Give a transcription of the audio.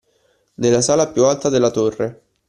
Nella sala più alta della torre